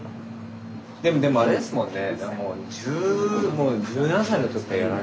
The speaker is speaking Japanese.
でもでもあれですもんね。